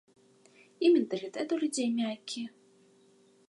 І менталітэт у людзей мяккі.